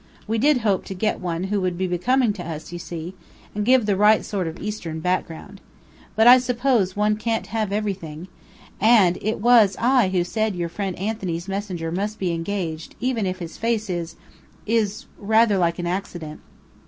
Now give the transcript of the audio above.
We did hope to get one who would be becoming to us, you see, and give the right sort of Eastern background. But I suppose one can't have everything! And it was I who said your friend Anthony's messenger must be engaged even if his face is is rather like an _accident!